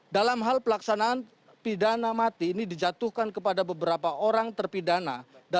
dalam hal pelaksanaan pidana mati ini dijatuhkan kepada beberapa orang terpidana